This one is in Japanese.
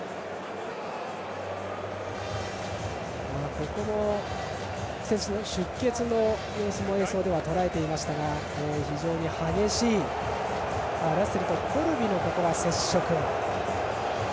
ここも、出血の様子も映像でとらえていましたが非常に激しいラッセルとコルビの接触。